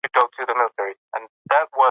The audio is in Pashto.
پر وېښتو دوامداره جیل کارول خطرناک دي.